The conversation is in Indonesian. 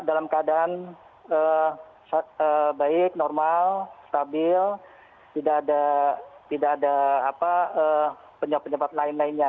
dalam keadaan baik normal stabil tidak ada penyebab penyebab lain lainnya